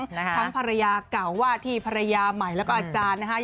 ทั้งภรรยาเก่าว่าที่ภรรยาใหม่แล้วก็อาจารย์นะฮะ